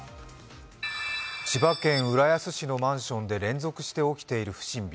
千葉県浦安市のマンションで連続して起きている不審火。